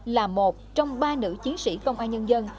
là một trong ba nữ chiến sĩ công an nhân dân